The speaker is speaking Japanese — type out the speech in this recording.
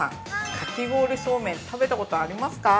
かき氷そうめん、食べたことありますか。